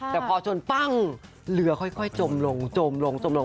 แต่พอชนปั้งเรือค่อยจมลงจมลงจมลง